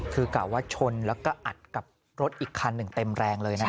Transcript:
คือกล่าวว่าชนแล้วก็อัดกับรถอีกคันหนึ่งเต็มแรงเลยนะคะ